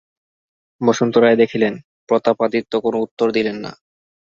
বসন্ত রায় দেখিলেন, প্রতাপাদিত্য কোনো উত্তর দিলেন না।